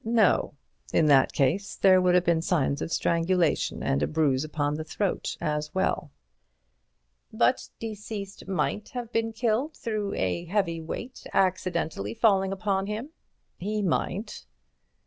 "No; in that case there would have been signs of strangulation and a bruise upon the throat as well." "But deceased might have been killed through a heavy weight accidentally falling upon him?" "He might."